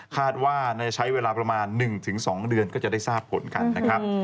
คาดว่าใช้เวลาประมาณ๑๒เดือนก็จะได้ทราบผลกันนะครับ